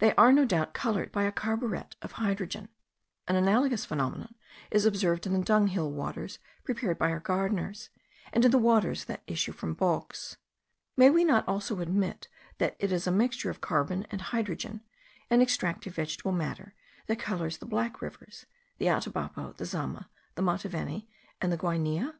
They are no doubt coloured by a carburet of hydrogen. An analogous phenomenon is observed in the dunghill waters prepared by our gardeners, and in the waters that issue from bogs. May we not also admit, that it is a mixture of carbon and hydrogen, an extractive vegetable matter, that colours the black rivers, the Atabapo, the Zama, the Mataveni, and the Guainia?